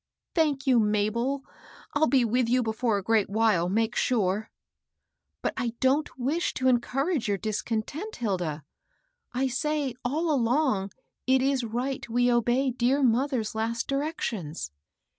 HILDA, 81 " Thank you, MabeL I'll be with yon befiwre a great while, make sure." But I don't wish to eiKM)utage your disc<mtent, Hilda. I say, all along, it is ri^t we obey deai mother's last directions."